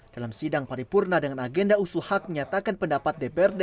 dalam sidang paripurna dengan agenda usul hak menyatakan pendapat dprd